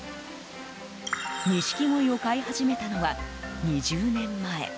ニシキゴイを飼い始めたのは２０年前。